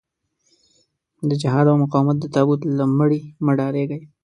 د جهاد او مقاومت د تابوت له مړي مه ډارېږئ.